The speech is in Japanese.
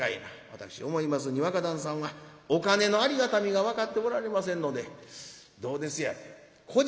私思いますに若旦さんはお金のありがたみが分かっておられませんのでどうですやろこ